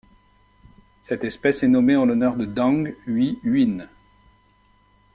Cette espèce est nommée en l'honneur de Dang Huy Huynh.